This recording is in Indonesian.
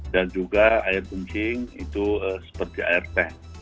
dan juga air kuncing itu seperti air teh